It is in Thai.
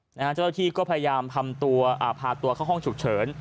เจ้าหน้าที่ก็พยายามพาตัวเข้าห้องฉุกเฉิน